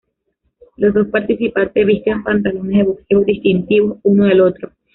Los dos participantes visten pantalones de boxeo distintivos uno del otro.